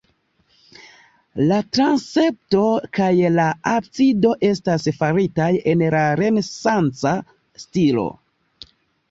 La transepto kaj la absido estas faritaj en la renesanca stilo.